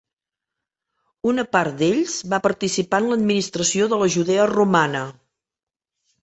Una part d'ells va participar en l'administració de la Judea romana.